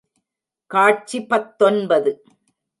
காட்சி பத்தொன்பது .